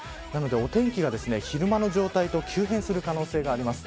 お天気が昼間の状態と急変する可能性があります。